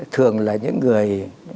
thường là những người